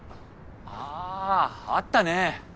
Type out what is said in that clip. あああったね。